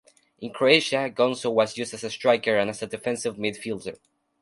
In Croatia, Gonzo was used as a striker and as a defensive midfielder.